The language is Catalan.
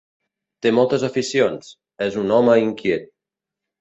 Té moltes aficions: és un home inquiet.